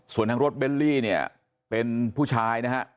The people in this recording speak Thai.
ส่วนทางรถเบลลี่เนี่ยเป็นผู้ชายนะฮะ